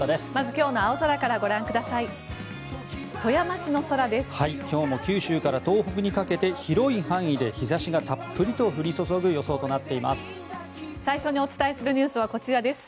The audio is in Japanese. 今日も九州から東北にかけて広い範囲で日差しがたっぷりと降り注ぐ予想となっています。